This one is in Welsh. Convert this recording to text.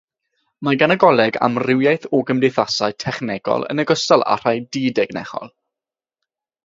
Mae gan y coleg amrywiaeth o gymdeithasau technegol yn ogystal â rhai di-dechnegol.